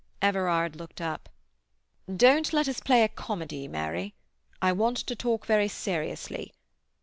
Everard looked up. "Don't let us play a comedy, Mary. I want to talk very seriously.